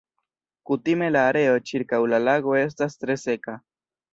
Kutime la areo ĉirkaŭ la lago estas tre seka.